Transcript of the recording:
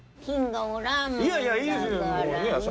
いやいやいいです